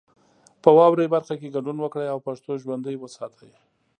په واورئ برخه کې ګډون وکړئ او پښتو ژوندۍ وساتئ.